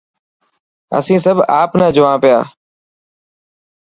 اسين سڀ آپ نا جوا پيا.